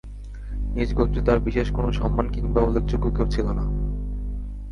নিজগোত্রে তার বিশেষ কোন সম্মান কিংবা উল্লেখযোগ্য কেউ ছিল না।